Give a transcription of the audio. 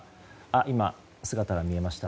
今、姿が見えました。